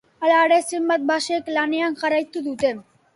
Halere, zenbait basek lanean jarraituko dute.